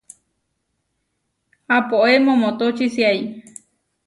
Apóe momotóčisiai.